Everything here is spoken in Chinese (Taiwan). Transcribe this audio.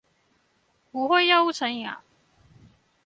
不會藥物成癮啊？